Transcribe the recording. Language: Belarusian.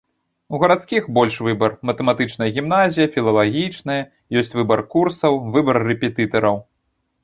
У гарадскіх больш выбар, матэматычная гімназія, філалагічная, ёсць выбар курсаў, выбар рэпетытараў.